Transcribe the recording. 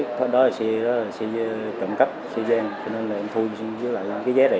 em biết đó là xe cộng cấp xe gian cho nên em thu với lại cái giá rẻ